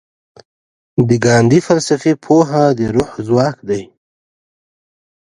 د ګاندي فلسفي پوهه د روح ځواک دی.